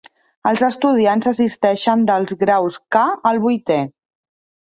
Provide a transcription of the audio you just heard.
Els estudiants assisteixen dels graus K al vuitè.